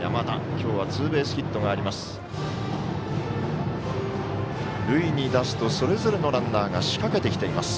今日はツーベースヒットがあります。